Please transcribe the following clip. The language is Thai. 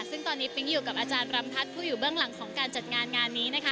ซึ่งตอนนี้ปิ๊งอยู่กับอาจารย์รำทัศน์ผู้อยู่เบื้องหลังของการจัดงานงานนี้นะคะ